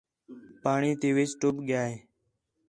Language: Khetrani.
پاݨی تی وِِچ ٹُٻ ڳِیا ہِے